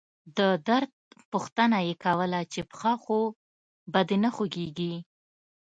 د درد پوښتنه يې کوله چې پښه خو به دې نه خوږيږي.